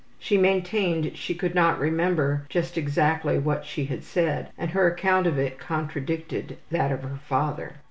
She maintained she could not remember just exactly what she had said, and her account of it contradicted that of her father.